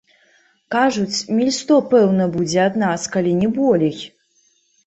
Кажуць, міль сто пэўна будзе ад нас, калі не болей?